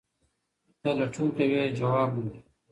که ته لټون کوې ځواب موندې.